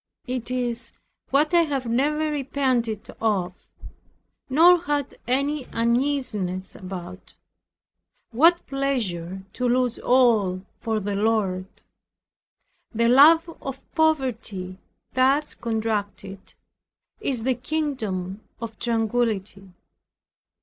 It is what I have never repented of, nor had any uneasiness about. What pleasure to lose all for the Lord! The love of poverty, thus contracted, is the kingdom of tranquillity.